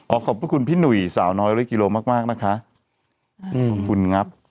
อ่าขอบพระคุณพี่หนุ่ยสาวน้อย๑๐๐กิโลทางมั่งของคุณงับ